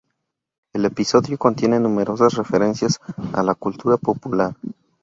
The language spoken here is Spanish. El episodio contiene numerosas referencias a la cultura popular.